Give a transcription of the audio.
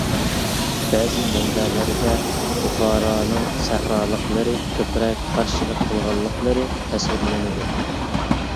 بەزى مەنبەلەردە بۇخارانىڭ سەھرالىقلىرى كۆپرەك قارشىلىق قىلغانلىقلىرى تەسۋىرلىنىدۇ.